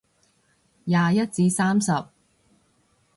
廿一至三十